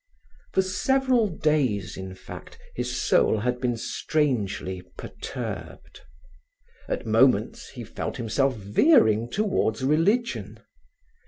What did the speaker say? For several days, in fact, his soul had been strangely perturbed. At moments, he felt himself veering towards religion.